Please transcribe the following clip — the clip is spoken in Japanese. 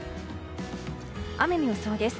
雨の予想です。